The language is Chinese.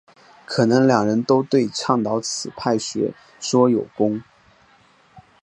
可能两人都对倡导此派学说有功。